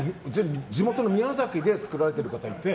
地元の宮崎で作られてる方がいて。